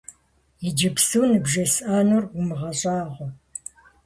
Иджыпсту ныбжесӀэнур умыгъэщӀагъуэ.